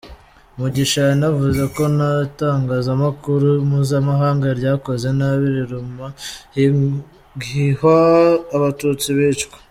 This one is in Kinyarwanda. Mugisha yanavuze ko n’ itangazamakuru mpuzamahanga ryakoze nabi, riruma gihwa Abatutsi bicwa.